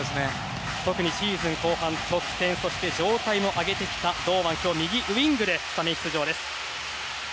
特にシーズン後半得点、そして状態も上げてきた堂安は今日右ウイングでスタメン出場。